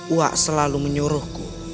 uak selalu menyuruhku